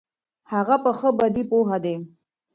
هغه په ښې بدې پوهېده.